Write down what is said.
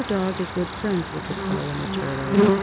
Dog is good friends with the Crow and the Turtle.